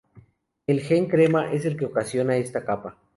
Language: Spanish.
El gen crema es el que ocasiona esta capa.